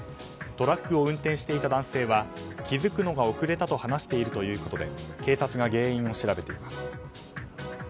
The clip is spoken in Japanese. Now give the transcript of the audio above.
トラックを運転していた男性は気づくのが遅れたと話しているということで警察が原因を調べています。